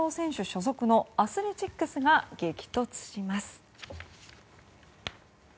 所属のアスレチックスが激突します。